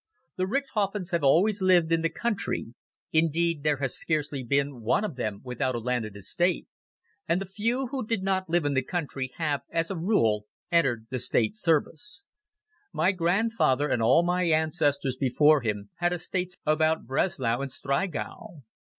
The Richthofens have always lived in the country; indeed, there has scarcely been one of them without a landed estate, and the few who did not live in the country have, as a rule, entered the State service. My grandfather and all my ancestors before him had estates about Breslau and Striegau.